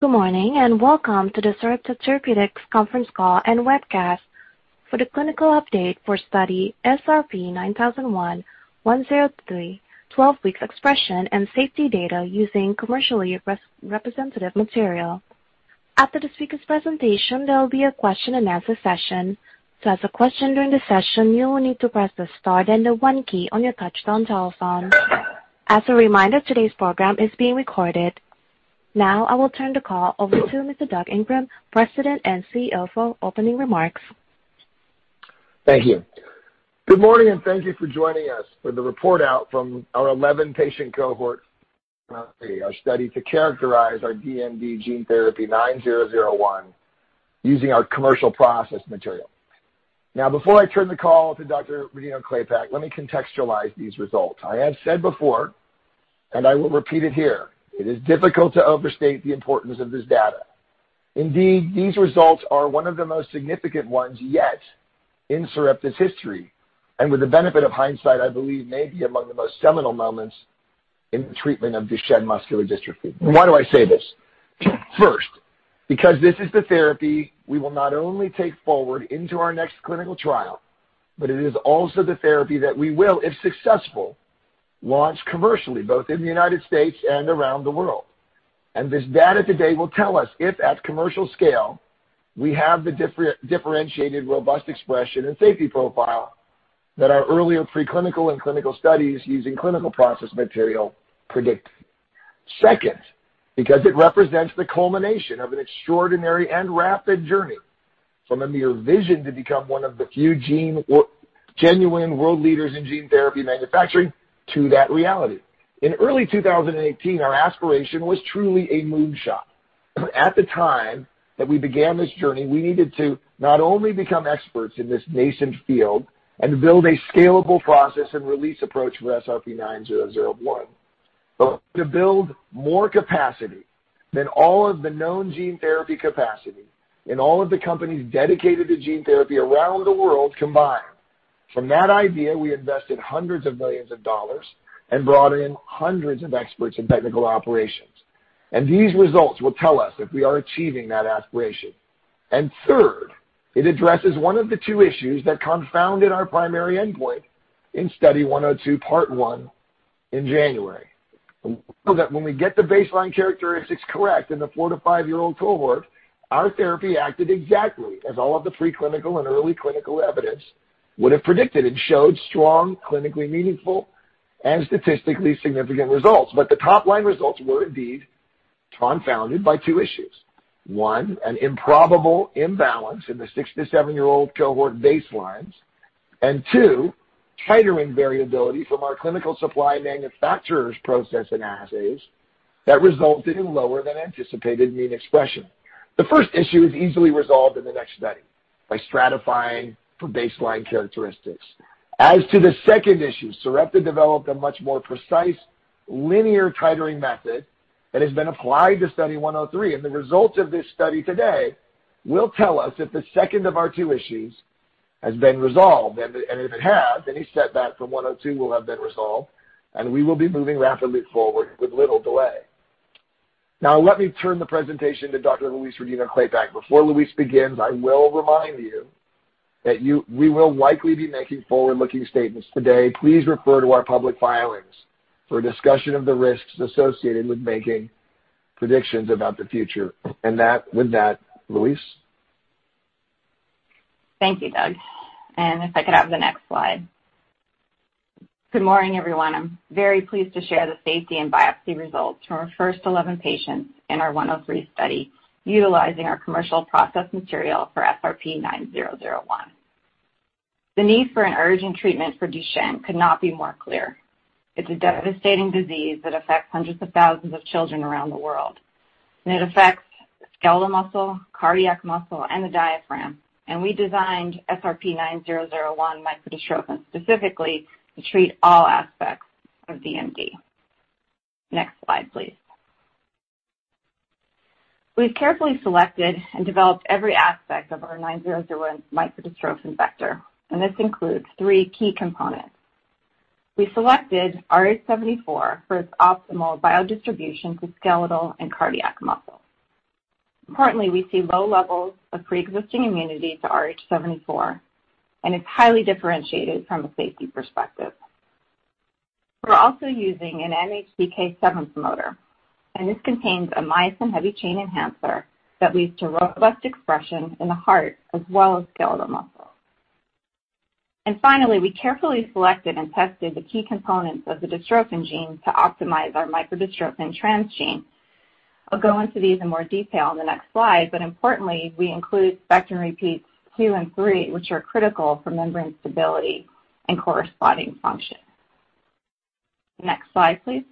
Good morning. Welcome to the Sarepta Therapeutics conference call and webcast for the clinical update for Study SRP-9001-103, 12-week expression and safety data using commercially representative material. After the speaker's presentation, there will be a question-and-answer session. To ask a question during this session, you will need to press the star then the one key on your touch-tone telephone. As a reminder, today's program is being recorded. I will turn the call over to Mr. Doug Ingram, President and CEO, for opening remarks. Thank you. Good morning, and thank you for joining us for the report out from our 11-patient cohort study to characterize our DMD gene therapy 9001 using our commercial process material. Before I turn the call to Dr. Rodino-Klapac, let me contextualize these results. I have said before, and I will repeat it here, it is difficult to overstate the importance of this data. Indeed, these results are one of the most significant ones yet in Sarepta's history, and with the benefit of hindsight, I believe may be among the most seminal moments in the treatment of Duchenne muscular dystrophy. Why do I say this? First, because this is the therapy we will not only take forward into our next clinical trial, but it is also the therapy that we will, if successful, launch commercially, both in the U.S. and around the world. This data today will tell us if, at commercial scale, we have the differentiated, robust expression and safety profile that our earlier preclinical and clinical studies using clinical process material predict. Second, because it represents the culmination of an extraordinary and rapid journey from the mere vision to become one of the few genuine world leaders in gene therapy manufacturing to that reality. In early 2018, our aspiration was truly a moonshot. At the time that we began this journey, we needed to not only become experts in this nascent field and build a scalable process and release approach for SRP-9001, but to build more capacity than all of the known gene therapy capacity in all of the companies dedicated to gene therapy around the world combined. From that idea, we invested hundreds of millions of dollars and brought in hundreds of experts in technical operations. These results will tell us if we are achieving that aspiration. Third, it addresses one of the two issues that confounded our primary endpoint in Study 102, part I in January. We know that when we get the baseline characteristics correct in the four to five-year-old cohort, our therapy acted exactly as all of the preclinical and early clinical evidence would have predicted and showed strong, clinically meaningful, and statistically significant results. The top-line results were indeed confounded by two issues. One, an improbable imbalance in the six to seven-year-old cohort baselines, and two, titering variability from our clinical supply manufacturer's process and assays that resulted in lower than anticipated mean expression. The first issue is easily resolved in the next study by stratifying for baseline characteristics. As to the second issue, Sarepta developed a much more precise linear titering method that has been applied to Study 103. The results of this study today will tell us if the second of our two issues has been resolved. If it has, any setback from 102 will have been resolved. We will be moving rapidly forward with little delay. Now, let me turn the presentation to Dr. Louise Rodino-Klapac. Before Louise begins, I will remind you that we will likely be making forward-looking statements today. Please refer to our public filings for a discussion of the risks associated with making predictions about the future. With that, Louise? Thank you, Doug. If I could have the next slide. Good morning, everyone. I'm very pleased to share the safety and biopsy results from our first 11 patients in our Study 103 utilizing our commercial process material for SRP-9001. The need for an urgent treatment for Duchenne could not be more clear. It's a devastating disease that affects hundreds of thousands of children around the world. It affects the skeletal muscle, cardiac muscle, and the diaphragm, and we designed SRP-9001 microdystrophin specifically to treat all aspects of DMD. Next slide, please. We carefully selected and developed every aspect of our SRP-9001 microdystrophin vector, and this includes three key components. We selected rh74 for its optimal biodistribution to skeletal and cardiac muscle. Importantly, we see low levels of pre-existing immunity to RH74, and it's highly differentiated from a safety perspective. We're also using an MHCK7 promoter, and this contains a myosin heavy chain enhancer that leads to robust expression in the heart as well as skeletal muscle. Finally, we carefully selected and tested the key components of the dystrophin gene to optimize our microdystrophin transgene. I'll go into these in more detail in the next slide, but importantly, we include spectrin repeats two and three, which are critical for membrane stability and corresponding function. Next slide, please.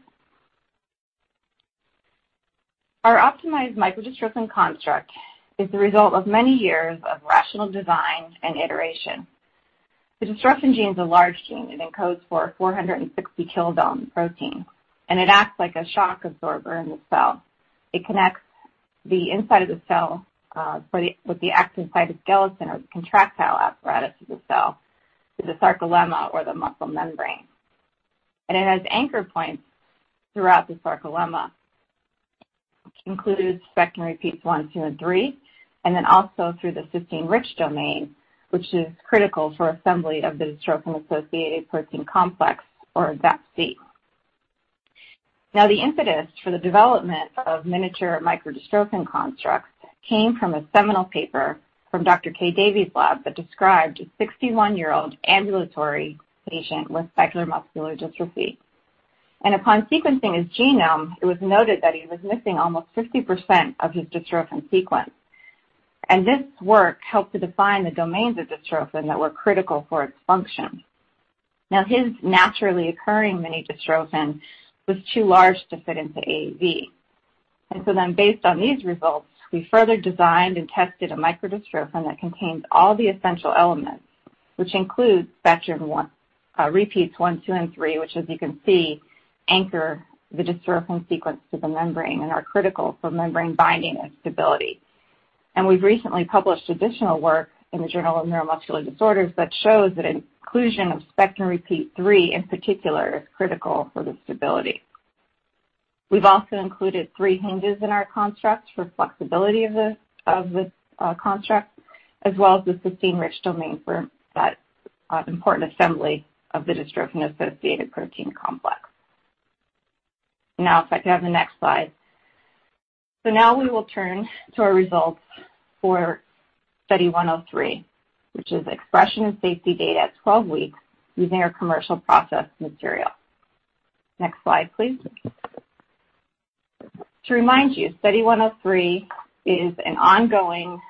Our optimized microdystrophin construct is the result of many years of rational design and iteration. The dystrophin gene is a large gene, and it codes for a 460 kilodalton protein, and it acts like a shock absorber in the cell. It connects the inside of the cell with the actin cytoskeleton or the contractile apparatus of the cell to the sarcolemma or the muscle membrane. It has anchor points throughout the sarcolemma, includes spectrin repeats one, two, and three, and then also through the cysteine-rich domain, which is critical for assembly of the dystrophin-associated protein complex or DAPC. The impetus for the development of miniature microdystrophin constructs came from a seminal paper from Dr. Kay Davies's lab that described a 61-year-old ambulatory patient with Becker muscular dystrophy. Upon sequencing his genome, it was noted that he was missing almost 50% of his dystrophin sequence. This work helped to define the domains of dystrophin that were critical for its function. His naturally occurring mini-dystrophin was too large to fit into AAV. Based on these results, we further designed and tested a microdystrophin that contains all the essential elements, which includes spectrin repeats one, two, and three, which, as you can see, anchor the dystrophin sequence to the membrane and are critical for membrane binding and stability. We've recently published additional work in the Journal of Neuromuscular Disorders that shows that inclusion of spectrin repeat three in particular is critical for the stability. We've also included three hinges in our constructs for flexibility of the construct, as well as the cysteine-rich domain for that important assembly of the dystrophin-associated protein complex. If I can have the next slide. We will turn to our results for Study 103, which is expression and safety data at 12 weeks using our commercial process material. Next slide, please. To remind you, Study 103 is an ongoing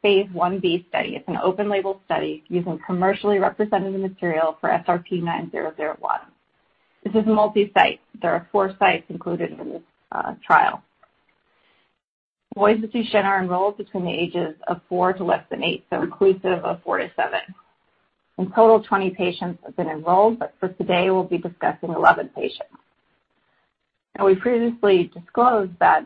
phase I-B study. It's an open-label study using commercially representative material for SRP-9001. This is multi-site. There are four sites included in this trial. Boys with Duchenne are enrolled between the ages of four to less than eight, so inclusive of four to seven. In total, 20 patients have been enrolled, but for today, we'll be discussing 11 patients. We previously disclosed that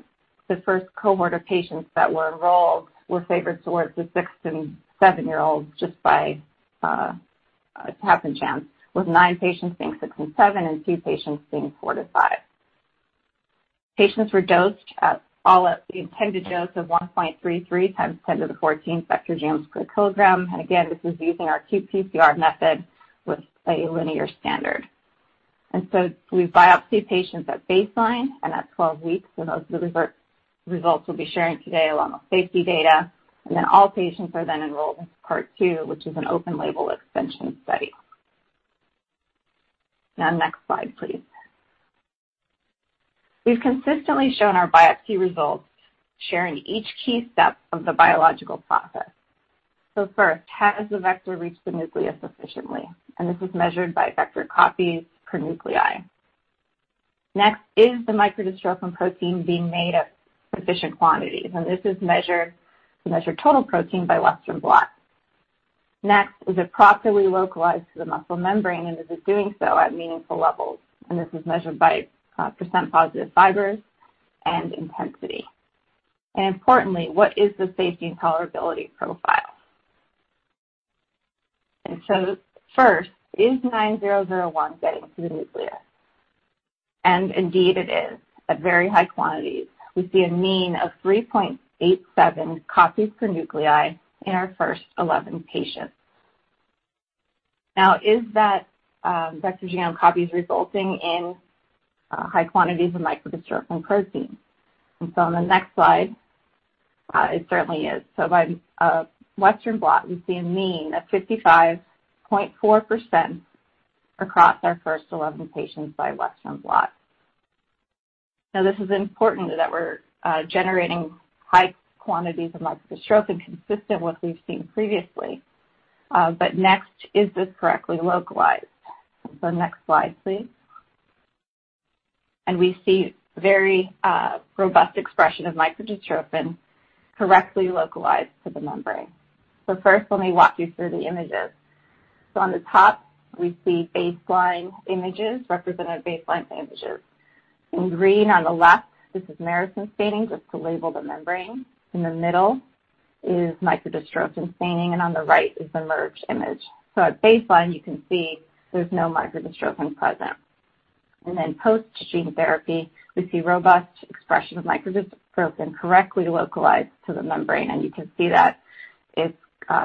the first cohort of patients that were enrolled were favored towards the six and seven-year-olds just by happenstance, with nine patients being six and seven, and two patients being four to five. Patients were dosed at the intended dose of 1.33x10^14th vector genomes per kilogram. Again, this is using our qPCR method with a linear standard. We biopsy patients at baseline and at 12 weeks, and those are the results we'll be sharing today along with safety data. All patients are then enrolled with Part two, which is an open-label extension study. Next slide, please. We've consistently shown our biopsy results sharing each key step of the biological process. First, has the vector reached the nucleus efficiently? This is measured by vector copies per nuclei. Next, is the microdystrophin protein being made at sufficient quantities? This is measured to measure total protein by Western blot. Next, is it properly localized to the muscle membrane, and is it doing so at meaningful levels? This is measured by percent positive fibers and intensity. Importantly, what is the safety tolerability profile? First, is SRP-9001 getting to the nucleus? Indeed it is at very high quantities. We see a mean of 3.87 copies per nuclei in our first 11 patients. Is that vector genome copies resulting in high quantities of microdystrophin protein? On the next slide, it certainly is. By Western blot, we see a mean of 55.4% across our first 11 patients by Western blot. This is important that we're generating high quantities of microdystrophin consistent with what we've seen previously. Next, is this correctly localized? Next slide, please. We see very robust expression of microdystrophin correctly localized to the membrane. First, let me walk you through the images. On the top, we see baseline images representing baseline images. In green on the left, this is merosin staining just to label the membrane. In the middle is microdystrophin staining, and on the right is the merged image. At baseline, you can see there's no microdystrophin present. Post-gene therapy, we see robust expression of microdystrophin correctly localized to the membrane, and you can see that it's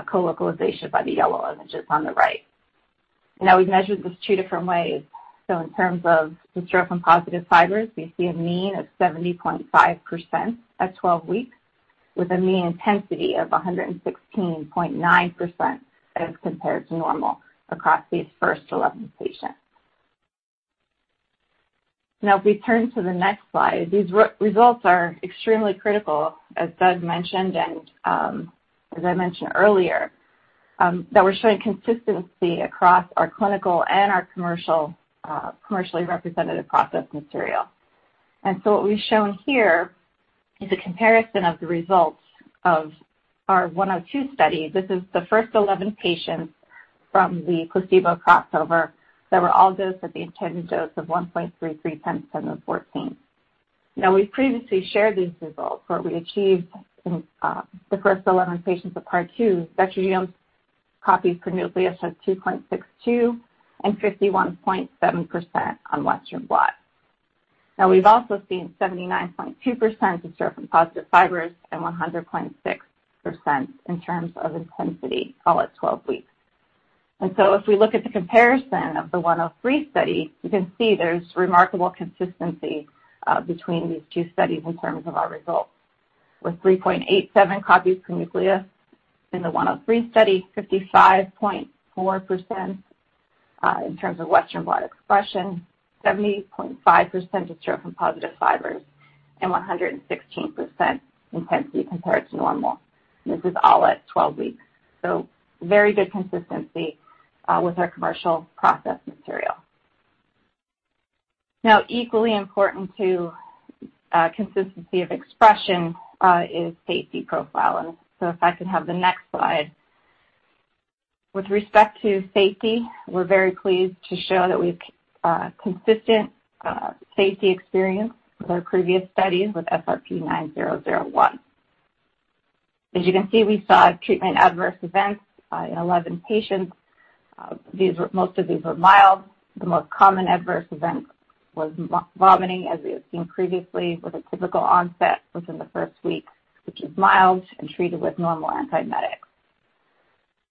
co-localization by the yellow images on the right. We've measured this two different ways. In terms of dystrophin-positive fibers, we see a mean of 70.5% at 12 weeks with a mean intensity of 116.9% as compared to normal across these first 11 patients. If we turn to the next slide, these results are extremely critical, as Doug mentioned and as I mentioned earlier that we're showing consistency across our clinical and our commercially representative process material. What we've shown here is a comparison of the results of our Study 102. This is the first 11 patients from the placebo crossover that were all dosed at the intended dose of 1.33x10^14. Now, we've previously shared these results where we achieved in the first 11 patients of Part two, vector genomes copies per nucleus of 2.62 and 51.7% on Western blot. Now we've also seen 79.2% of dystrophin-positive fibers and 100.6% in terms of intensity, all at 12 weeks. If we look at the comparison of the Study 103, you can see there's remarkable consistency between these two studies in terms of our results with 3.87 copies per nucleus in the Study 103, 55.4% in terms of Western blot expression, 70.5% dystrophin-positive fibers, and 116% intensity compared to normal. This is all at 12 weeks, so very good consistency with our commercial process material. Now, equally important to consistency of expression is safety profiling. If I could have the next slide. With respect to safety, we're very pleased to show that we've consistent safety experience with our previous studies with SRP-9001. As you can see, we saw treatment adverse events in 11 patients. Most of these were mild. The most common adverse event was vomiting, as we have seen previously, with a typical onset within the first week, which is mild and treated with normal antiemetics.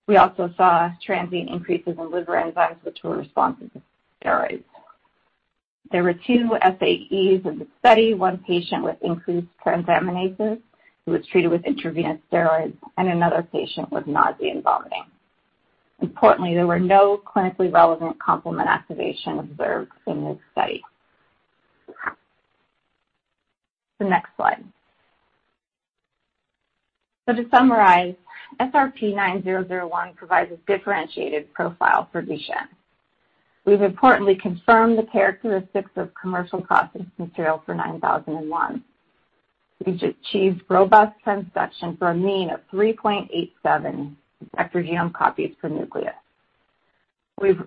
We also saw transient increases in liver enzymes, which were responsive to steroids. There were two SAEs in the study. One patient with increased transaminases who was treated with intravenous steroids, and another patient with nausea and vomiting. Importantly, there were no clinically relevant complement activation observed in this study. The next slide. To summarize, SRP-9001 provides a differentiated profile for Duchenne. We've importantly confirmed the characteristics of commercial process material for 9001. We've achieved robust transduction for a mean of 3.87 vector genome copies per nucleus. We've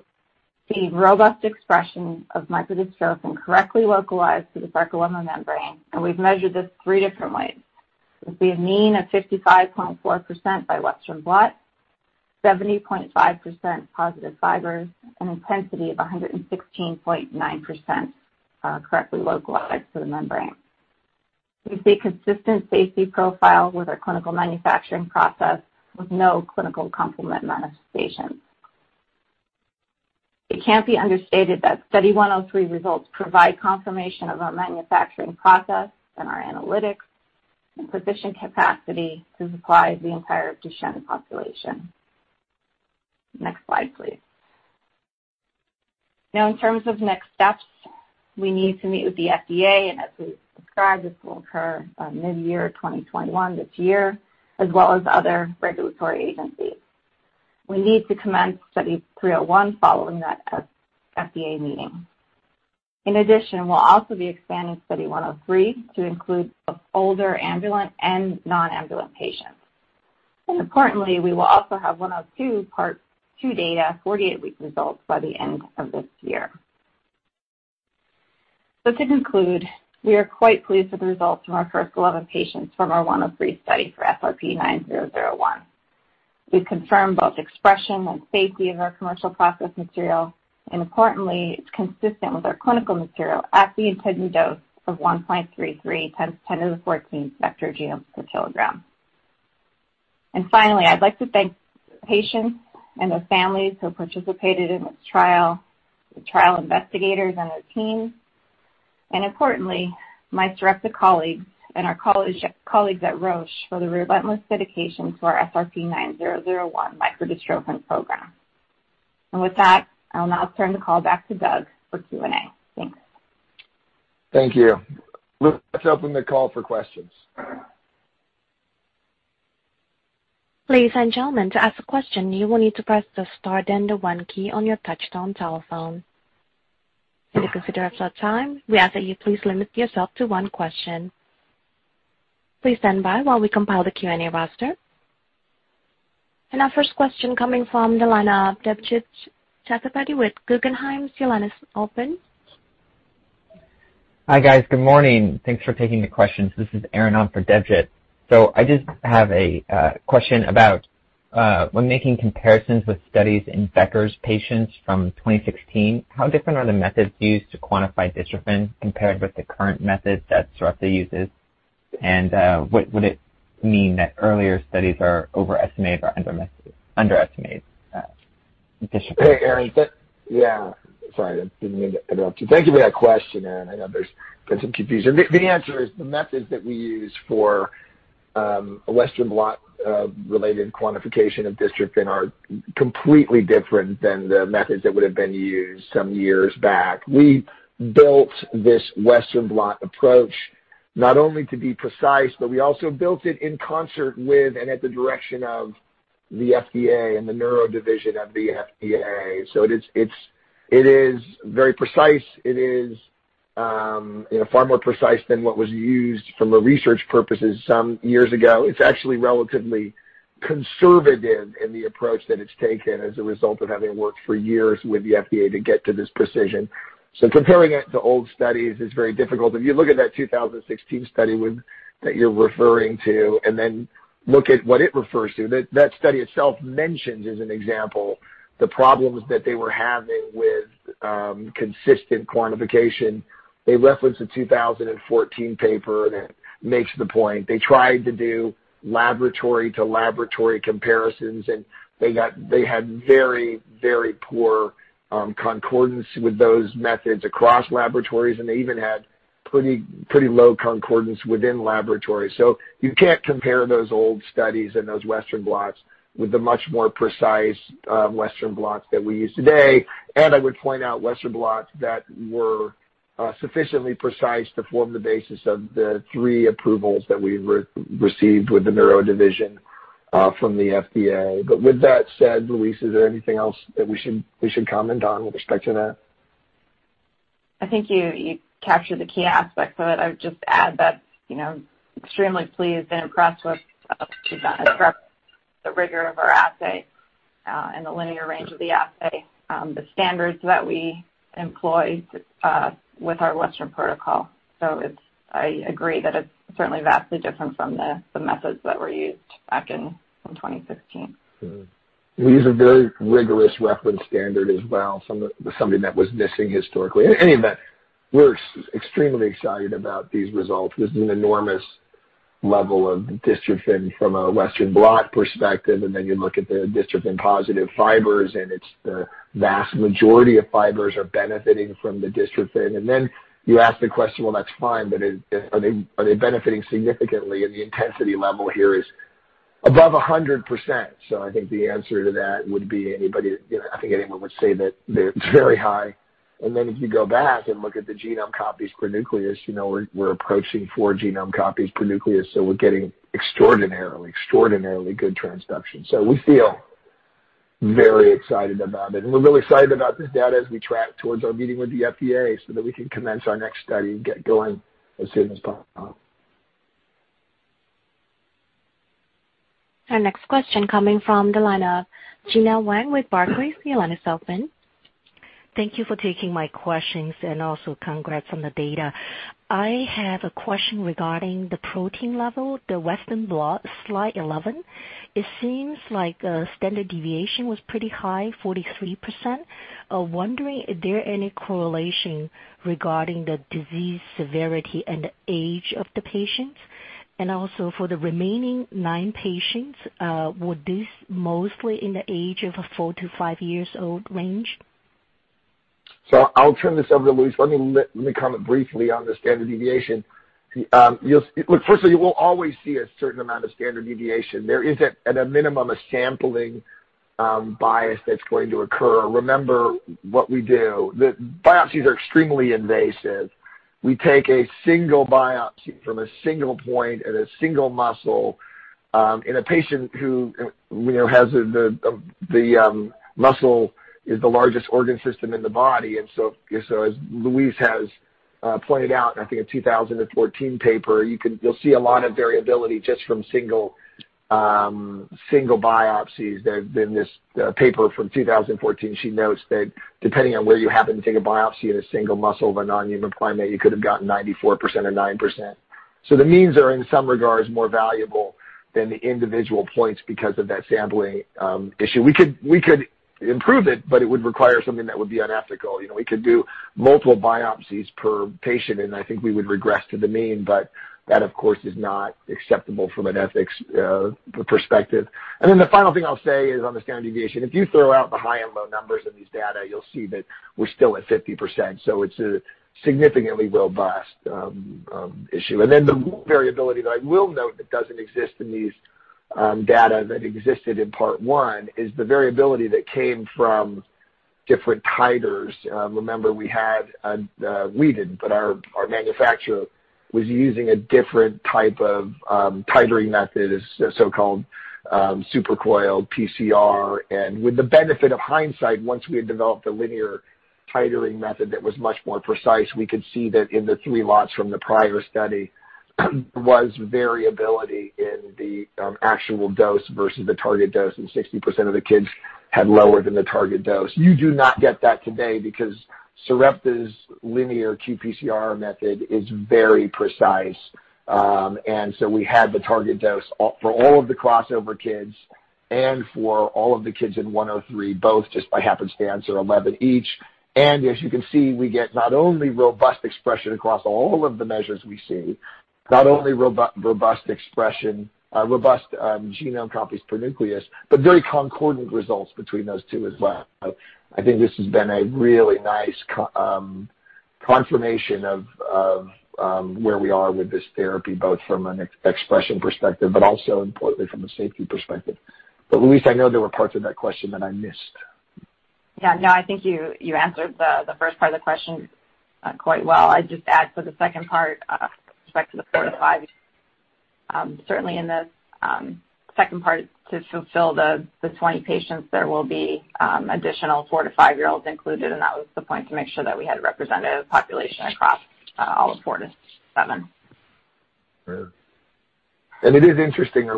seen robust expression of microdystrophin correctly localized to the sarcolemmal membrane, and we've measured this three different ways. With a mean of 55.4% by Western blot, 70.5% positive fibers, and intensity of 116.9% correctly localized to the membrane. We see consistent safety profile with our clinical manufacturing process with no clinical complement manifestations. It can't be understated that Study 103 results provide confirmation of our manufacturing process and our analytics and production capacity to supply the entire Duchenne population. Next slide, please. In terms of next steps, we need to meet with the FDA, and as we've described, this will occur by mid-year 2021, this year, as well as other regulatory agencies. We need to commence Study 301 following that FDA meeting. In addition, we'll also be expanding Study 103 to include older ambulant and non-ambulant patients. Importantly, we will also have 102, Part two data at 48-week results by the end of this year. To conclude, we are quite pleased with the results from our first 11 patients from our 103 study for SRP-9001. We confirmed both expression and safety of our commercial process material, and importantly, it's consistent with our clinical material at the intended dose of 1.33x10^14th vector genomes per kilogram. Finally, I'd like to thank the patients and the families who participated in this trial, the trial investigators and their teams, and importantly, my Sarepta colleagues and our colleagues at Roche for their relentless dedication to our SRP-9001 microdystrophin program. With that, I'll now turn the call back to Doug for Q&A. Thanks. Thank you. We'll now open the call for questions. Ladies and gentlemen, to ask a question you will need to press the star then the one key on you touch-tone telephone. In the consideration of time, we ask that you please limit yourself to one question. Please stand by while we compile the Q&A roster. Our first question coming from the line of Debjit Chattopadhyay with Guggenheim. Your line is open. Hi, guys. Good morning. Thanks for taking the questions. This is Erin on for Debjit. I just have a question about when making comparisons with studies in Becker's patients from 2016, how different are the methods used to quantify dystrophin compared with the current method that Sarepta uses? Would it mean that earlier studies are overestimated or underestimated dystrophin? Erin, yeah. Sorry, I didn't mean to interrupt you. Thank you for that question, Erin. I know there's potential confusion. The answer is the methods that we use for Western blot related quantification of dystrophin are completely different than the methods that would have been used some years back. We built this Western blot approach not only to be precise, but we also built it in concert with and at the direction of the FDA and the neuro division of the FDA. It is very precise. It is far more precise than what was used for the research purposes some years ago. It's actually relatively conservative in the approach that it's taken as a result of having worked for years with the FDA to get to this precision. Comparing it to old studies is very difficult. If you look at that 2016 study that you're referring to and then look at what it refers to, that study itself mentions as an example, the problems that they were having with consistent quantification. They referenced a 2014 paper that makes the point. They tried to do laboratory to laboratory comparisons, and they had very poor concordance with those methods across laboratories, and they even had pretty low concordance within laboratories. You can't compare those old studies and those Western blots with the much more precise Western blots that we use today. I would point out Western blots that were sufficiently precise to form the basis of the three approvals that we've received with the neuro division from the FDA. With that said, Louise, is there anything else that we should comment on with respect to that? I think you captured the key aspects of it. I'd just add that extremely pleased and impressed with Sarepta, the rigor of our assay and the linear range of the assay, the standards that we employ with our Western protocol. I agree that it's certainly vastly different from the methods that were used back in 2016. We use a very rigorous reference standard as well, something that was missing historically. In any event, we're extremely excited about these results. There's an enormous level of dystrophin from a Western blot perspective, and then you look at the dystrophin positive fibers, and it's the vast majority of fibers are benefiting from the dystrophin. You ask the question, well, that's fine, but are they benefiting significantly? The intensity level here is above 100%. I think the answer to that would be anyone would say that it's very high. If you go back and look at the genome copies per nucleus, we're approaching four genome copies per nucleus, so we're getting extraordinarily good transduction. We feel very excited about it. We're really excited about this data as we track towards our meeting with the FDA so that we can commence our next study and get going as soon as possible. Our next question coming from the line of Gena Wang with Barclays. Your line is open. Thank you for taking my questions and also congrats on the data. I have a question regarding the protein level, the Western blot, slide 11. It seems like the standard deviation was pretty high, 43%. Wondering, are there any correlation regarding the disease severity and the age of the patients? For the remaining nine patients, were these mostly in the age of a four to five years old range? I'll turn this over to Louise. Let me comment briefly on the standard deviation. Look, firstly, we'll always see a certain amount of standard deviation. There is at a minimum a sampling bias that's going to occur. Remember what we do. The biopsies are extremely invasive. We take a single biopsy from a single point in a single muscle in a patient who has the muscle is the largest organ system in the body. As Louise has pointed out, I think a 2014 paper, you'll see a lot of variability just from single biopsies. In this paper from 2014, she notes that depending on where you happen to take a biopsy in a single muscle of an uneven plane, you could have gotten 94% or 9%. The means are in some regards more valuable than the individual points because of that sampling issue. We could improve it, but it would require something that would be unethical. We could do multiple biopsies per patient, and I think we would regress to the mean, but that, of course, is not acceptable from an ethics perspective. The final thing I'll say is on the standard deviation, if you throw out the high and low numbers in these data, you'll see that we're still at 50%. It's a significantly robust issue. The variability that I will note that doesn't exist in these data that existed in Part one is the variability that came from different titers. Remember, our manufacturer was using a different type of titering method, a so-called supercoiled PCR. With the benefit of hindsight, once we had developed a linear titering method that was much more precise, we could see that in the three lots from the prior study, there was variability in the actual dose versus the target dose, and 60% of the kids had lower than the target dose. You do not get that today because Sarepta's linear qPCR method is very precise. We had the target dose for all of the crossover kids and for all of the kids in 103, both just by happenstance or 11 each. As you can see, we get not only robust expression across all of the measures we see, not only robust genome copies per nucleus, but very concordant results between those two as well. I think this has been a really nice confirmation of where we are with this therapy, both from an expression perspective, but also importantly from a safety perspective. Louise, I know there were parts of that question that I missed. Yeah. No, I think you answered the first part of the question quite well. I'd just add for the second part with respect to the four to five. Certainly in the second part to fulfill the 20 patients, there will be additional four to five-year-olds included, and that was the point to make sure that we had a representative population across all four to seven. It is interesting.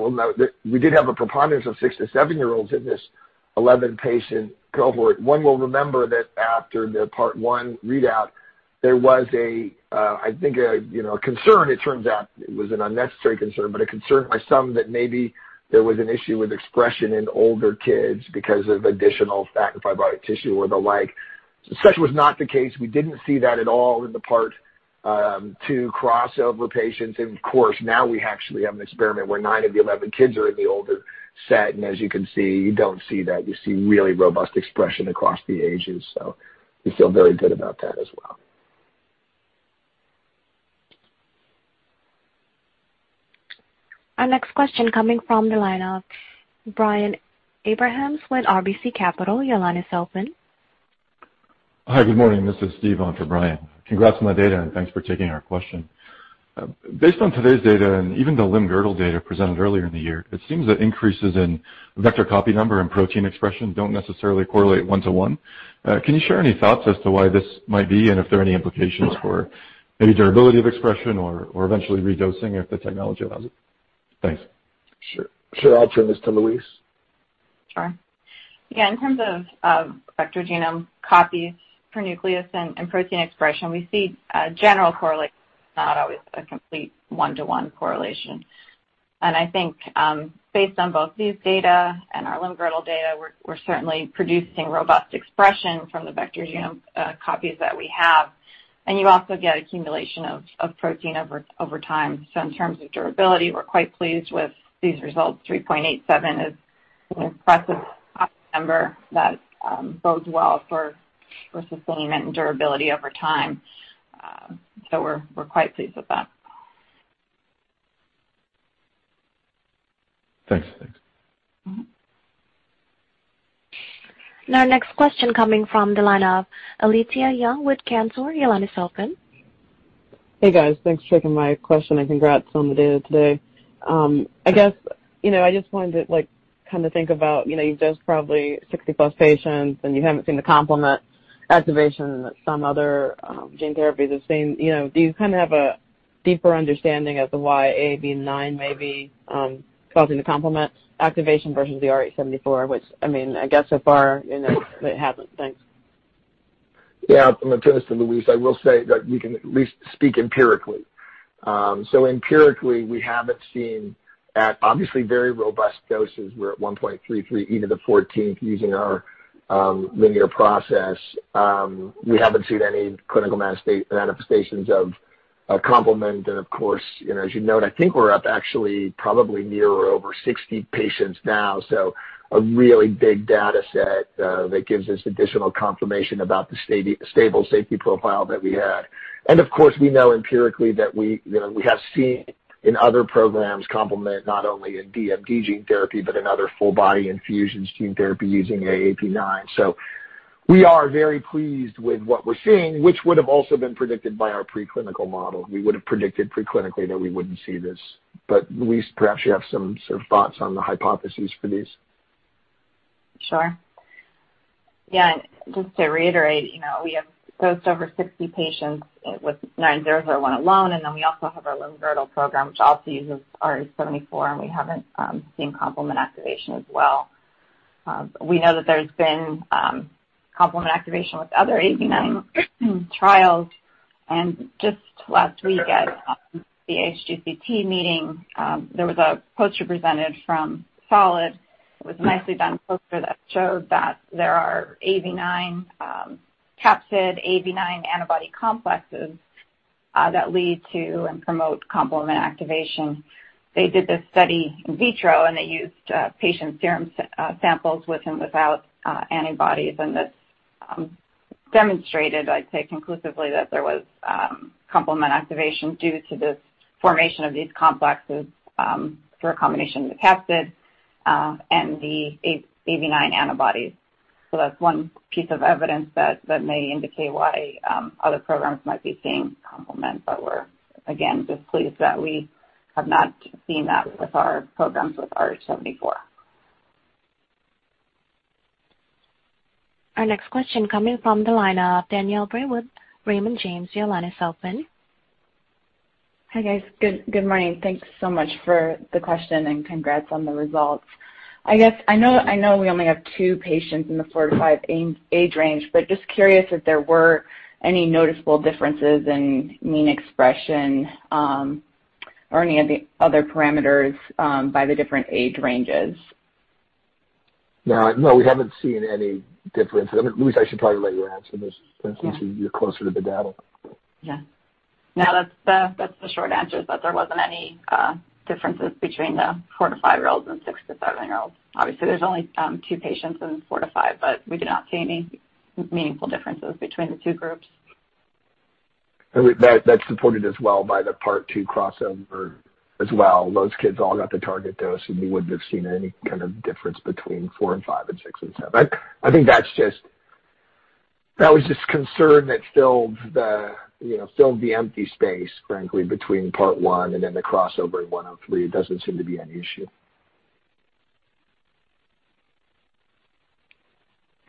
We did have a preponderance of six to seven-year-olds in this 11-patient cohort. One will remember that after the Part one readout, there was, I think, a concern. It turns out it was an unnecessary concern, but a concern by some that maybe there was an issue with expression in older kids because of additional fat and fibrotic tissue or the like. Such was not the case. We didn't see that at all in the Part two crossover patients. Of course, now we actually have an experiment where nine of the 11 kids are in the older set, and as you can see, you don't see that. You see really robust expression across the ages. We feel very good about that as well. Our next question coming from the line of Brian Abrahams with RBC Capital. Your line is open. Hi, good morning. This is Steve on for Brian. Congrats on the data, thanks for taking our question. Based on today's data and even the limb-girdle data presented earlier in the year, it seems that increases in vector copy number and protein expression don't necessarily correlate one-to-one. Can you share any thoughts as to why this might be and if there are any implications for maybe durability of expression or eventually redosing if the technology allows it? Thanks. Sure. I'll turn this to Louise. Sure. In terms of vector genome copies per nucleus and protein expression, we see a general correlation, but not always a complete one-to-one correlation. I think based on both these data and our limb-girdle data, we're certainly producing robust expression from the vector genome copies that we have. You also get accumulation of protein over time. In terms of durability, we're quite pleased with these results. 3.87 is an impressive copy number that bodes well for sustainment and durability over time. We're quite pleased with that. Thanks. Mm-hmm. Next question coming from the line of Alethia Young with Cantor. Your line is open. Hey, guys, thanks for taking my question. Congrats on the data today. I guess I just wanted to think about you dosed probably 60+ patients. You haven't seen a complement activation that some other gene therapy have seen. Do you have a deeper understanding of the why AAV9 may be causing a complement activation versus the RH74, which I mean, I guess so far, it hasn't? Thanks. Yeah. I'm going to turn this to Louise. I will say that we can at least speak empirically. Empirically, we haven't seen at obviously very robust doses, we're at 1.33E^14th using our linear process. We haven't seen any clinical manifestations of a complement. Of course, as you note, I think we're up actually probably near or over 60 patients now. A really big data set that gives us additional confirmation about the stable safety profile that we had. Of course, we know empirically that we have seen in other programs complement not only in DMD gene therapy but in other full body infusion gene therapy using AAV9. We are very pleased with what we're seeing, which would have also been predicted by our preclinical model. We would have predicted preclinically that we wouldn't see this. Louise could actually have some thoughts on the hypothesis for these. Sure. Yeah, just to reiterate, we have dosed over 60 patients with 9001 alone. Then we also have our limb-girdle program, which also uses RH74. We haven't seen complement activation as well. We know that there's been complement activation with other AAV9 trials. Just last week at the ASGCT meeting, there was a poster presented from Solid. It was a nicely done poster that showed that there are capsid AAV9 antibody complexes that lead to and promote complement activation. They did this study in vitro. They used patient serum samples with and without antibodies. This demonstrated, I'd say, conclusively that there was complement activation due to this formation of these complexes through a combination of the capsid and the AAV9 antibodies. That's one piece of evidence that may indicate why other programs might be seeing complement, but we're again just pleased that we have not seen that with our programs with RH74. Our next question coming from the line of Danielle Brill with Raymond James. Your line is open. Hi, guys. Good morning. Thanks so much for the question and congrats on the results. I guess I know we only have two patients in the four to five age range, just curious if there were any noticeable differences in mean expression or any of the other parameters by the different age ranges? Yeah. No, we haven't seen any difference. Louise, I should probably let you answer this since you're closer to the data. Yeah. That's the short answer, that there wasn't any differences between the four to five-year-olds and six to seven-year-olds. Obviously, there's only two patients in the four to five, but we did not see any meaningful differences between the two groups. That's supported as well by the Part two crossover as well. Those kids all got the target dose, and we wouldn't have seen any kind of difference between four and five and six and seven. I think that was just concern that filled the empty space, frankly, between Part one and then the crossover in 103. It doesn't seem to be an issue.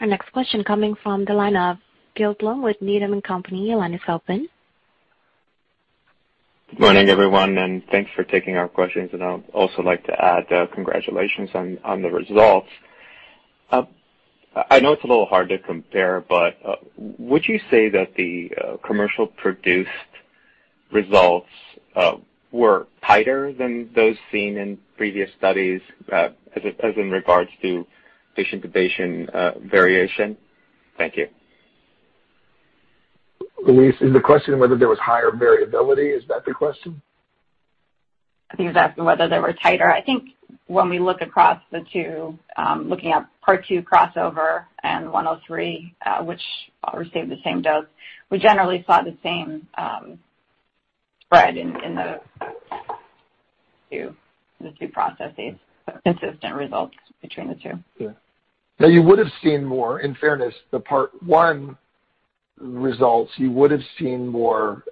Our next question coming from the line of Gil Blum with Needham & Company. Your line is open. Good morning, everyone, and thanks for taking our questions. I'd also like to add congratulations on the results. I know it's a little hard to compare, would you say that the commercial produced results were tighter than those seen in previous studies as in regards to patient-to-patient variation? Thank you. Louise, is the question whether there was higher variability? Is that the question? He was asking whether they were tighter. I think when we look across the two, looking at Part two crossover and 103, which received the same dose, we generally saw the same spread in the two processes, consistent results between the two. Yeah. You would've seen more, in fairness, the Part one results, you would've seen more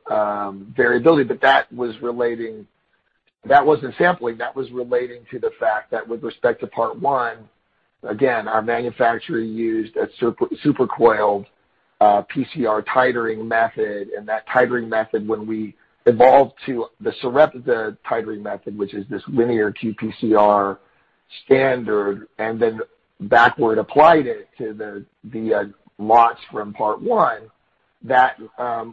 variability. That wasn't sampling, that was relating to the fact that with respect to Part one, again, our manufacturer used a supercoiled PCR titering method, and that titering method, when we evolved to the Sarepta titering method, which is this linear qPCR standard, and then backward applied it to the lots from Part one, it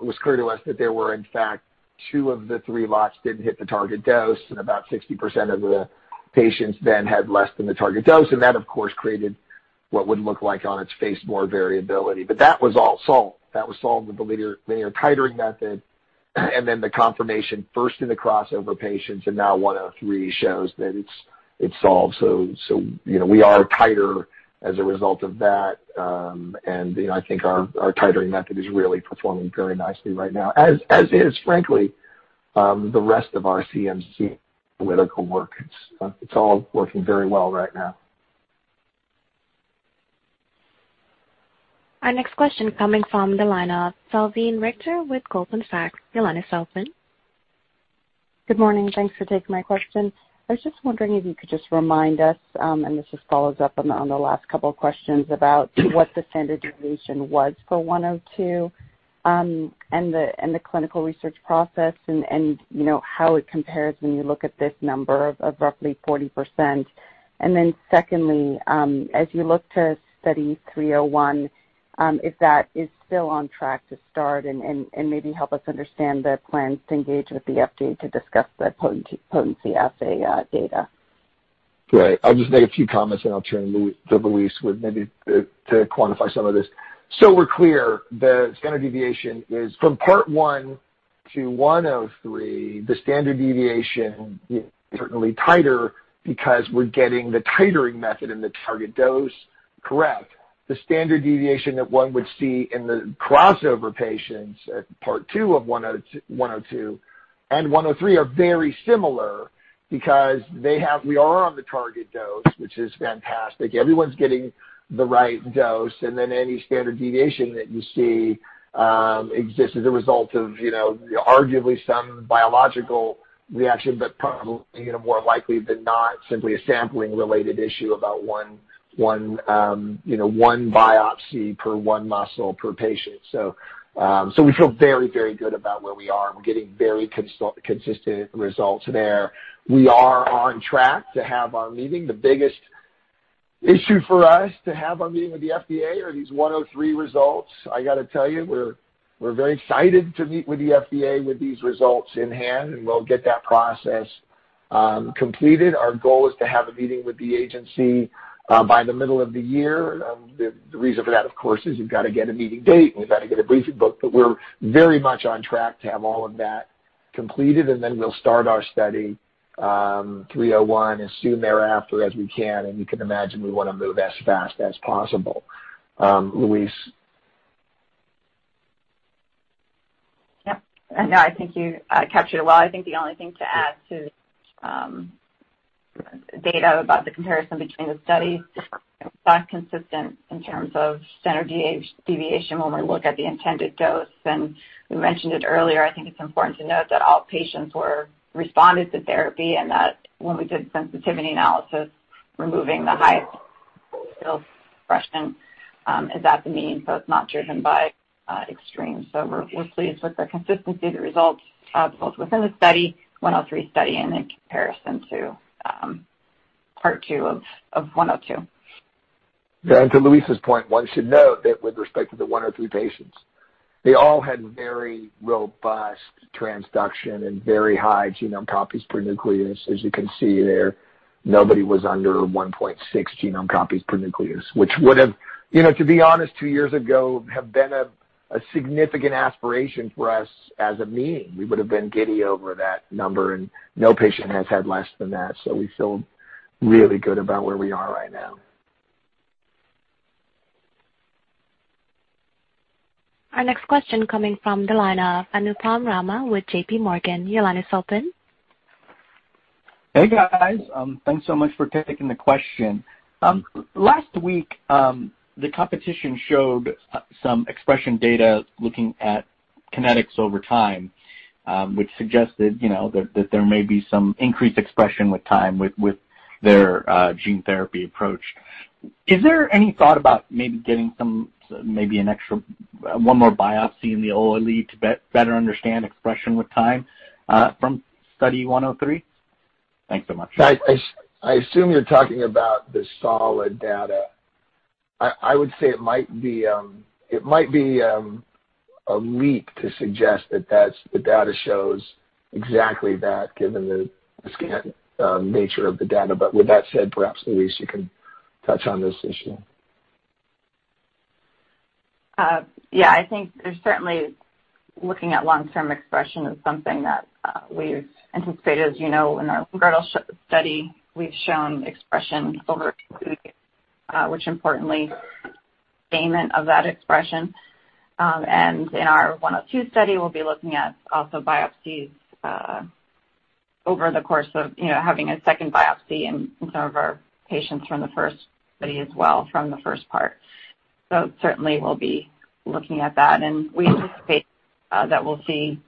was clear to us that there were, in fact, two of the three lots didn't hit the target dose, and about 60% of the patients then had less than the target dose. That, of course, created what would look like on its face, more variability. That was all solved. That was solved with the linear titering method, and then the confirmation first in the crossover patients and now 103 shows that it's solved. We are tighter as a result of that. I think our titering method is really performing very nicely right now, as is frankly, the rest of our CMC analytical work. It's all working very well right now. Our next question coming from the line of Salveen Richter with Goldman Sachs. Your line is open. Good morning. Thanks for taking my questions. I was just wondering if you could just remind us, and this just follows up on the last couple of questions about what the standard deviation was for 102 in the clinical research process and how it compares when you look at this number of roughly 40%. Secondly, as you look to Study 301, if that is still on track to start and maybe help us understand the plans to engage with the FDA to discuss the potency assay data. Right. I'll just make a few comments, I'll turn to Louise with maybe to quantify some of this. We're clear, the standard deviation is from Part one to 103, the standard deviation is certainly tighter because we're getting the titering method in the target dose correct. The standard deviation that one would see in the crossover patients at Part two of 102 and 103 are very similar because we are on the target dose, which is fantastic. Everyone's getting the right dose, any standard deviation that you see exists as a result of arguably some biological reaction, but probably more likely than not simply a sampling related issue about one biopsy per one muscle per patient. We feel very, very good about where we are and we're getting very consistent results there. We are on track to have our meeting. The biggest issue for us to have our meeting with the FDA are these 103 results. I got to tell you, we're very excited to meet with the FDA with these results in hand, and we'll get that process completed. Our goal is to have a meeting with the agency by the middle of the year. The reason for that, of course, is we've got to get a meeting date and we've got to get a briefing book, but we're very much on track to have all of that completed, and then we'll start our Study 301 as soon thereafter as we can. You can imagine we want to move as fast as possible. Louise. Yeah. I think you captured a lot. I think the only thing to add to the data about the comparison between the studies, consistent in terms of standard deviation when we look at the intended dose, and we mentioned it earlier, I think it's important to note that all patients responded to therapy and that when we did sensitivity analysis, removing the highest expression is at the mean, so it's not driven by extremes. We're pleased with the consistency of the results both within the study, Study 103 and in comparison to Part two of 102. To Louise's point, one should note that with respect to the 103 patients, they all had very robust transduction and very high genome copies per nucleus. As you can see there, nobody was under 1.6 genome copies per nucleus, which would have, to be honest, two years ago, have been a significant aspiration for us as a mean. We would've been giddy over that number. No patient has had less than that. We feel really good about where we are right now. Our next question coming from the line of Anupam Rama with J.P. Morgan. Hey, guys. Thanks so much for taking the question. Last week, the competition showed some expression data looking at kinetics over time, which suggest that there may be some increased expression with time with their gene therapy approach. Is there any thought about maybe getting one more biopsy in the OL to better understand expression with time from Study 103? Thanks so much. I assume you're talking about the Solid data. I would say it might be a leap to suggest that the data shows exactly that given the scant nature of the data. With that said, perhaps Louise, you can touch on this issue. I think certainly looking at long-term expression is something that we've anticipated. As you know, in our inaugural study, we've shown expression over two years, which importantly, sustainment of that expression. In our Study 102, we'll be looking at also biopsies over the course of having a second biopsy in some of our patients from the first study as well, from the first part. Certainly, we'll be looking at that, and we anticipate that we'll see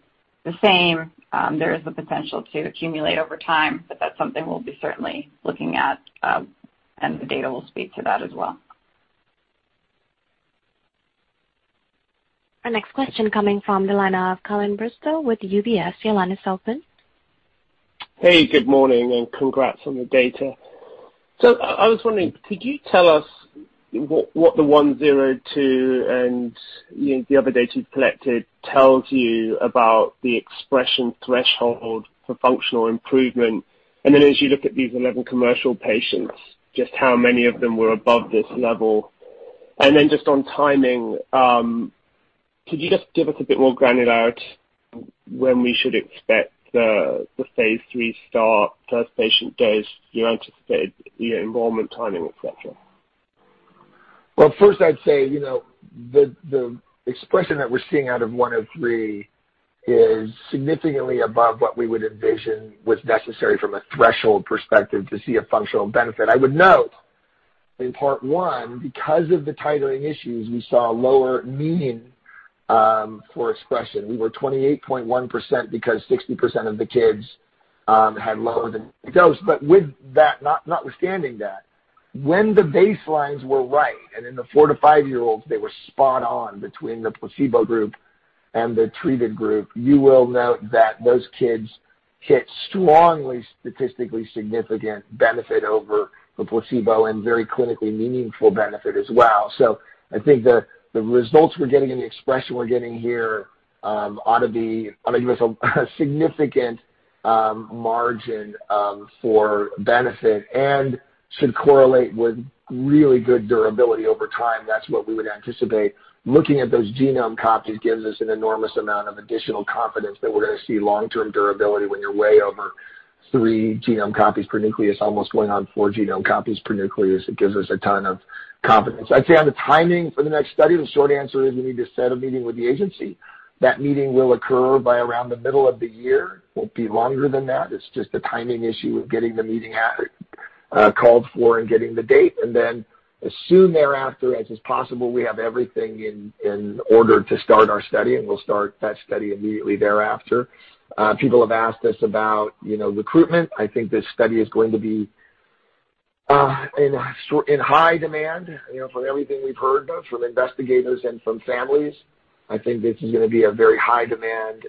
the same. There is the potential to accumulate over time, but that's something we'll be certainly looking at. The data will speak to that as well. Our next question coming from the line of Colin Bristow with UBS. Your line is open. Hey, good morning. Congrats on the data. I was wondering, could you tell us what the 102 and the other data you've collected tells you about the expression threshold for functional improvement? As you look at these 11 commercial patients, just how many of them were above this level? Just on timing, could you just give us a bit more granularity when we should expect the phase III start, first patient dose? Do you anticipate enrollment timing, et cetera? Well, first I'd say, the expression that we're seeing out of 103 is significantly above what we would envision was necessary from a threshold perspective to see a functional benefit. I would note, in Part one, because of the titering issues, we saw a lower mean for expression. We were 28.1% because 60% of the kids had lower than dose. Notwithstanding that, when the baselines were right, and in the four to five-year-olds, they were spot on between the placebo group and the treated group, you will note that those kids hit strongly statistically significant benefit over the placebo and very clinically meaningful benefit as well. I think the results we're getting and the expression we're getting here ought to give us a significant margin for benefit and should correlate with really good durability over time. That's what we would anticipate. Looking at those genome copies gives us an enormous amount of additional confidence that we're going to see long-term durability when you're way over three genome copies per nucleus, almost going on four genome copies per nucleus. It gives us a ton of confidence. I'd say on the timing for the next study, the short answer is we need to set a meeting with the agency. That meeting will occur by around the middle of the year. It won't be longer than that. It's just a timing issue of getting the meeting called for and getting the date. Then as soon thereafter as is possible, we have everything in order to start our study, and we'll start that study immediately thereafter. People have asked us about recruitment. I think this study is going to be in high demand from everything we've heard from investigators and from families. I think this is going to be a very high-demand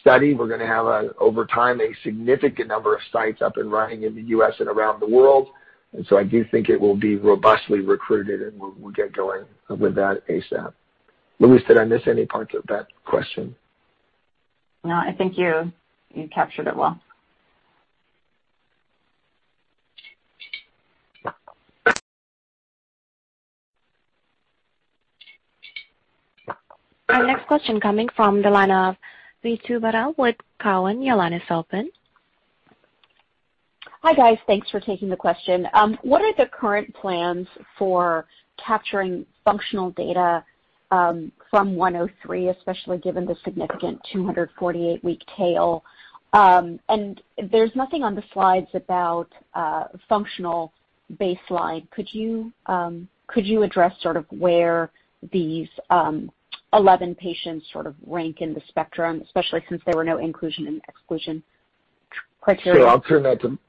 study. We're going to have, over time, a significant number of sites up and running in the U.S. and around the world, and so I do think it will be robustly recruited, and we'll get going with that ASAP. Louise, did I miss any part of that question? No, I think you captured it well. Our next question coming from the line of Ritu Baral with Cowen. Your line is open. Hi, guys. Thanks for taking the question. What are the current plans for capturing functional data from 103, especially given the significant 248-week tail? There's nothing on the slides about functional baseline. Could you address sort of where these 11 patients sort of rank in the spectrum, especially since there were no inclusion and exclusion criteria on function?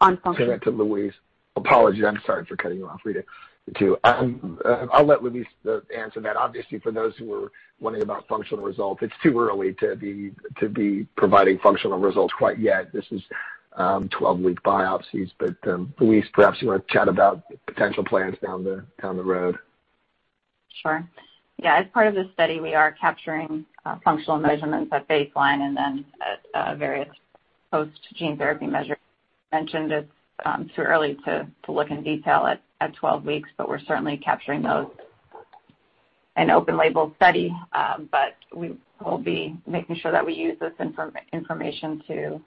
I'll turn that to Louise. Apologies. I'm sorry for cutting you off, Ritu. I'll let Louise answer that. Obviously, for those who are wondering about functional results, it's too early to be providing functional results quite yet. This is 12-week biopsies. Louise, perhaps you want to chat about potential plans down the road. Sure. Yeah. As part of the study, we are capturing functional measurements at baseline and then at various post gene therapy measures. As you mentioned, it's too early to look in detail at 12 weeks, but we're certainly capturing those. An open label study. We will be making sure that we use this information to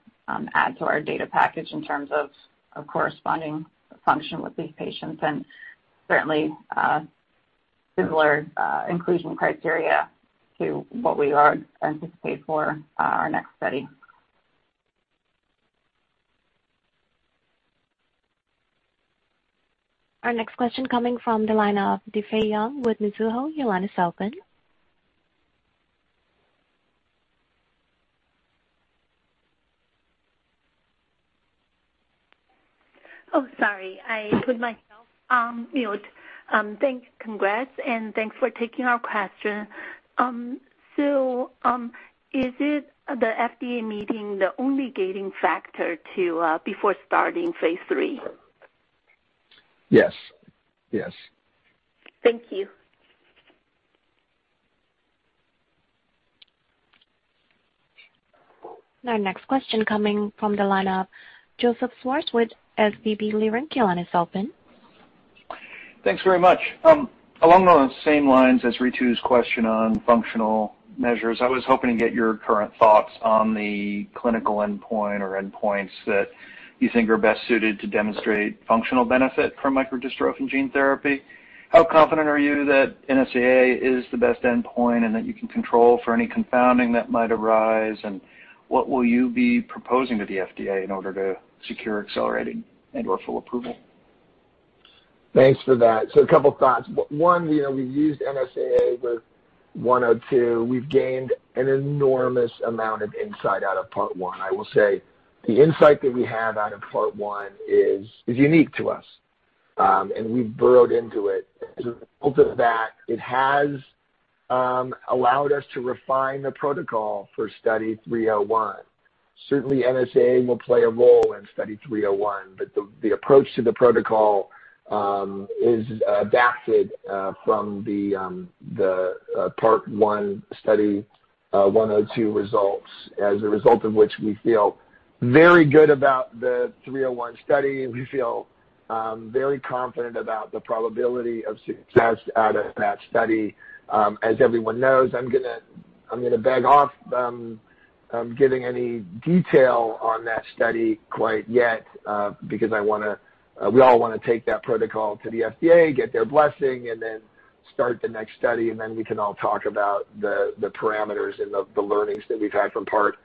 add to our data package in terms of corresponding function with these patients and certainly similar inclusion criteria to what we would anticipate for our next study. Our next question coming from the line of Difei Yang with Mizuho. Your line is open. Oh, sorry, I muted myself. Thanks. Congrats, and thanks for taking our question. Is the FDA meeting the only gating factor before starting phase III? Yes. Thank you. Our next question coming from the line of Joseph Schwartz with Leerink Partners. Your line is open. Thanks very much. Along those same lines as Ritu's question on functional measures, I was hoping to get your current thoughts on the clinical endpoint or endpoints that you think are best suited to demonstrate functional benefit from microdystrophin gene therapy. How confident are you that NSAA is the best endpoint and that you can control for any confounding that might arise, and what will you be proposing to the FDA in order to secure accelerated and full approval? Thanks for that. A couple thoughts. One, we used NSAA with 102. We've gained an enormous amount of insight out of Part one. I will say the insight that we have out of Part one is unique to us, and we've burrowed into it. A result of that, it has allowed us to refine the protocol for Study 301. Certainly, NSAA will play a role in Study 301, but the approach to the protocol is backed from the Part one, Study 102 results. A result of which, we feel very good about the Study 301. We feel very confident about the probability of success out of that study. Everyone knows, I'm going to back off giving any detail on that study quite yet because we all want to take that protocol to the FDA, get their blessing, and then start the next study. Then we can all talk about the parameters and the learnings that we've had from Part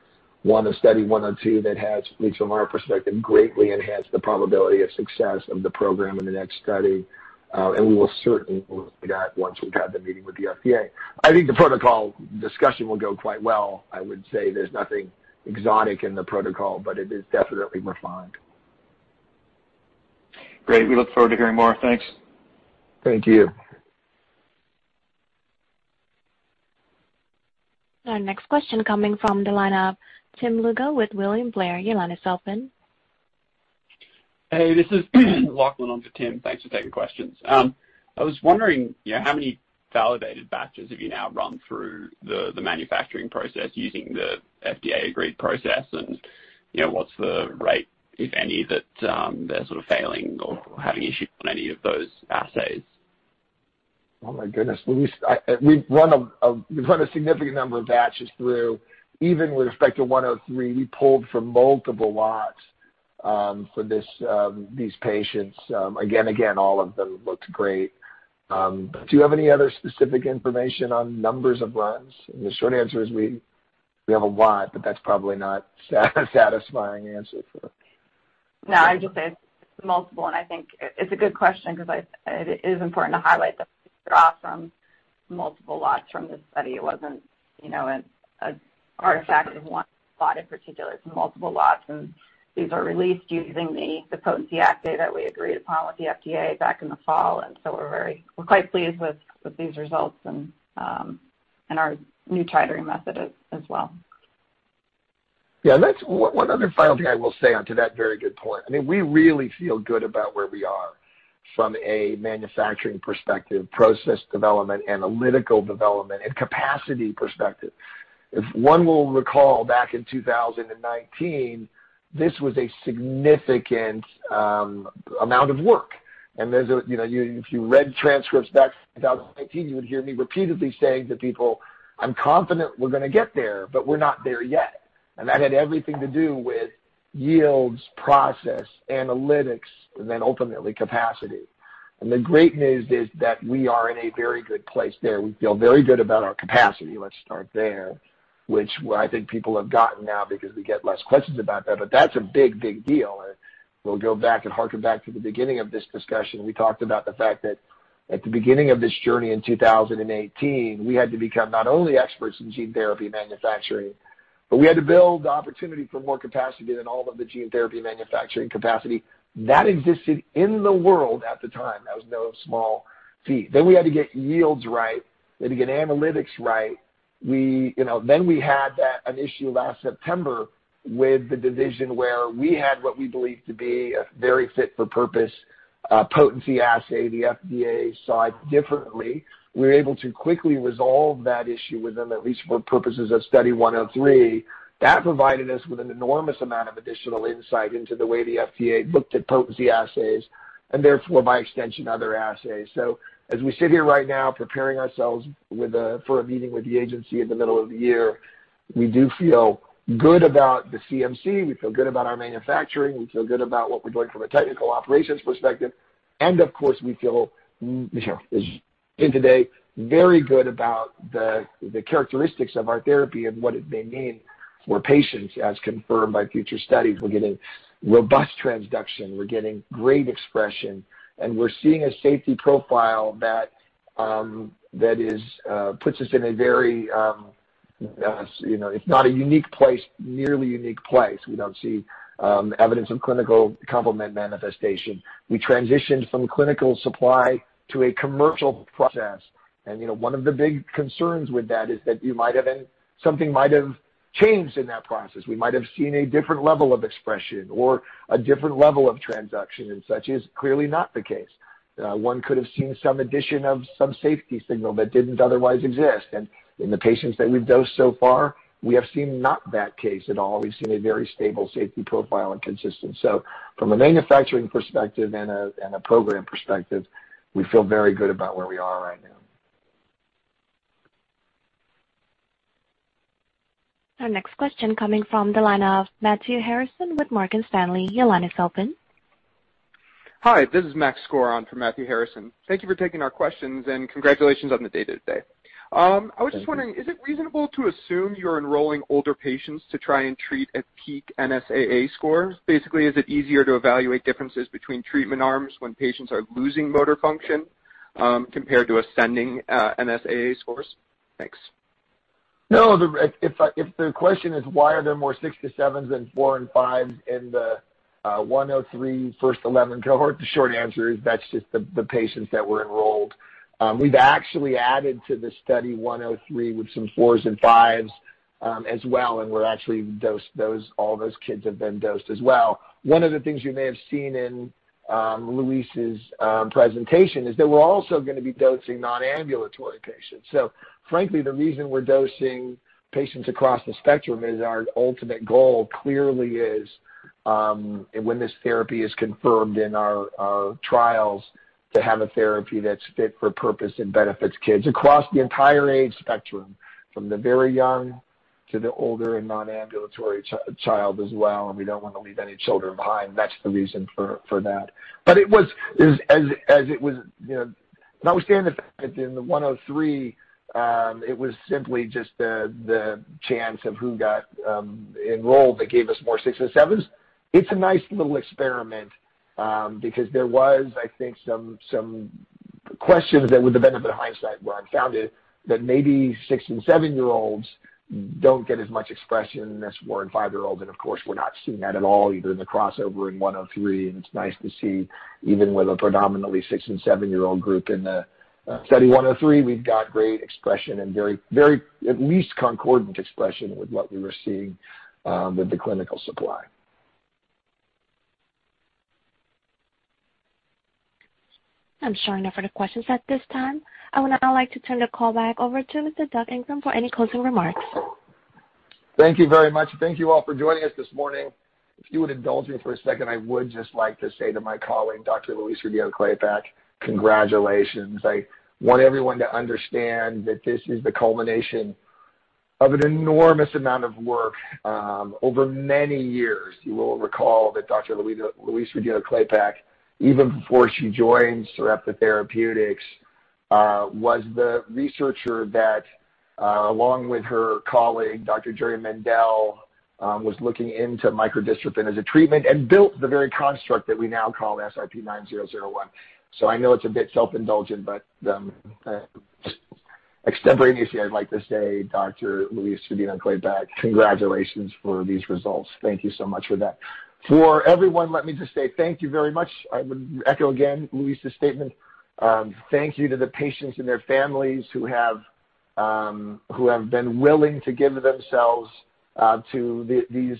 one of Study 102 that has, at least from our perspective, greatly enhanced the probability of success of the program in the next study. We will certainly look at that once we've had the meeting with the FDA. I think the protocol discussion will go quite well. I would say there's nothing exotic in the protocol, but it is definitely refined. Great. We look forward to hearing more. Thanks. Thank you. Our next question coming from the line of Tim Lugo with William Blair. Your line is open. Hey, this is Lachlan on for Tim. Thanks for taking questions. I was wondering how many validated batches have you now run through the manufacturing process using the FDA-agreed process, and what's the rate, if any, that they're sort of failing or having issues on any of those assays? Oh, my goodness. We've run a significant number of batches through. Even with respect to 103, we pulled from multiple lots for these patients. Again, all of them looked great. Do you have any other specific information on numbers of runs? The short answer is we have a lot, but that's probably not a satisfying answer. No, I just said multiple, and I think it's a good question because it is important to highlight that you got from multiple lots from the study. It wasn't an artifact of one lot in particular. It's multiple lots, and these are released using the potency assay that we agreed upon with the FDA back in the fall. We're quite pleased with these results and our new titering method as well. Yeah, that's one other point I will say on to that very good point. I mean, we really feel good about where we are from a manufacturing perspective, process development, analytical development, and capacity perspective. If one will recall back in 2019, this was a significant amount of work. If you read transcripts back in 2019, you would hear me repeatedly saying to people, "I'm confident we're going to get there, but we're not there yet." That had everything to do with yields, process, analytics, and then ultimately capacity. The great news is that we are in a very good place there. We feel very good about our capacity. Let's start there, which I think people have gotten now because we get less questions about that. That's a big, big deal. We'll go back and harken back to the beginning of this discussion. We talked about the fact that at the beginning of this journey in 2018, we had to become not only experts in gene therapy manufacturing, but we had to build the opportunity for more capacity than all of the gene therapy manufacturing capacity that existed in the world at the time. That was no small feat. We had to get yields right. We had to get analytics right. We had an issue last September with the division where we had what we believed to be a very fit for purpose potency assay. The FDA saw it differently. We were able to quickly resolve that issue with them, at least for purposes of Study 103. That provided us with an enormous amount of additional insight into the way the FDA looked at potency assays and therefore, by extension, other assays. As we sit here right now preparing ourselves for a meeting with the agency in the middle of the year, we do feel good about the CMC. We feel good about our manufacturing. We feel good about what we're doing from a technical operations perspective. Of course, we feel, as of today, very good about the characteristics of our therapy and what it may mean. We're patient, as confirmed by future studies. We're getting robust transduction, we're getting great expression, and we're seeing a safety profile that puts us in a place. It's not a nearly unique place. We don't see evidence of clinical complement manifestation. We transitioned from clinical supply to a commercial process, and one of the big concerns with that is that something might have changed in that process. We might have seen a different level of expression or a different level of transduction, and such is clearly not the case. One could have seen some addition of some safety signal that didn't otherwise exist. In the patients that we've dosed so far, we have seen not that case at all. We've seen a very stable safety profile and consistent. From a manufacturing perspective and a program perspective, we feel very good about where we are right now. Our next question coming from the line of Matthew Harrison with Morgan Stanley. Your line is open. Hi, this is Max Skor, on for Matthew Harrison. Thank you for taking our questions. Congratulations on the data today. Thank you. I was just wondering, is it reasonable to assume you're enrolling older patients to try and treat at peak NSAA scores? Basically, is it easier to evaluate differences between treatment arms when patients are losing motor function compared to ascending NSAA scores? Thanks. No. If the question is why are there more six to sevens than four and fives in the 103 first 11 cohort, the short answer is that's just the patients that were enrolled. We've actually added to the Study 103 with some fours and fives as well. All those kids have been dosed as well. One of the things you may have seen in Louise's presentation is that we're also going to be dosing non-ambulatory patients. Frankly, the reason we're dosing patients across the spectrum is our ultimate goal clearly is when this therapy is confirmed in our trials to have a therapy that's fit for purpose and benefits kids across the entire age spectrum, from the very young to the older and non-ambulatory child as well. We don't want to leave any children behind. That's the reason for that. When I was saying that in the 103, it was simply just the chance of who got enrolled that gave us more six and sevens. It's a nice little experiment because there was, I think, some questions that would have been at the hindsight were unfounded that maybe six and seven-year-olds don't get as much expression in this four and five-year-old. Of course, we're not seeing that at all either in the crossover in 103. It's nice to see, even with a predominantly six and seven-year-old group in the Study 103, we've got great expression and very at least concordant expression with what we were seeing with the clinical supply. I'm showing no further questions at this time. I would now like to turn the call back over to Mr. Ingram for any closing remarks. Thank you very much. Thank you all for joining us this morning. If you would indulge me for a second, I would just like to say to my colleague, Dr. Louise Rodino-Klapac, congratulations. I want everyone to understand that this is the culmination of an enormous amount of work over many years. You will recall that Dr. Louise Rodino-Klapac, even before she joined Sarepta Therapeutics, was the researcher that, along with her colleague, Dr. Jerry Mendell, was looking into microdystrophin as a treatment and built the very construct that we now call SRP-9001. I know it's a bit self-indulgent, but extemporaneously, I'd like to say, Dr. Louise Rodino-Klapac, congratulations for these results. Thank you so much for that. For everyone, let me just say thank you very much. I would echo again Louise's statement. Thank you to the patients and their families who have been willing to give themselves to these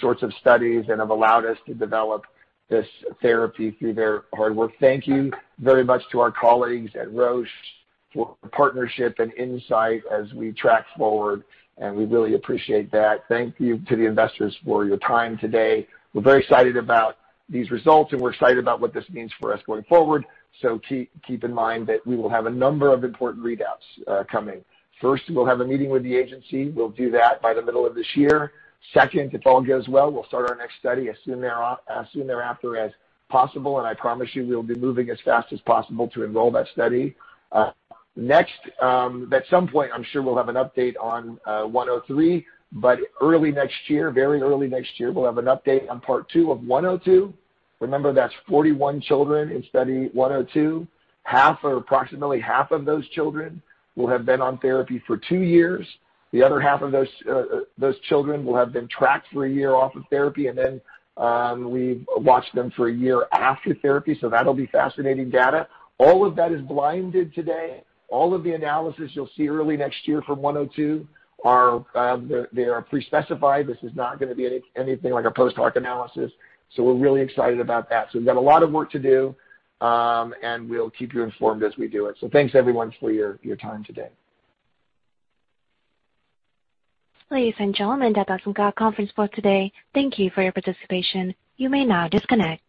sorts of studies and have allowed us to develop this therapy through their hard work. Thank you very much to our colleagues at Roche for partnership and insight as we track forward. We really appreciate that. Thank you to the investors for your time today. We're very excited about these results. We're excited about what this means for us going forward. Keep in mind that we will have a number of important readouts coming. First, we'll have a meeting with the agency. We'll do that by the middle of this year. Second, if all goes well, we'll start our next study as soon thereafter as possible. I promise you we'll be moving as fast as possible to enroll that study. Next, at some point I'm sure we'll have an update on 103, but early next year, very early next year, we'll have an update on part two of 102. Remember, that's 41 children in Study 102. Approximately half of those children will have been on therapy for two years. The other half of those children will have been tracked for a year off of therapy, and then we've watched them for a year after therapy. That'll be fascinating data. All of that is blinded today. All of the analysis you'll see early next year from 102, they are pre-specified. This is not going to be anything like a post hoc analysis. We're really excited about that. We've got a lot of work to do, and we'll keep you informed as we do it. Thanks everyone for your time today. Ladies and gentlemen, that does conclude our conference for today. Thank you for your participation. You may now disconnect.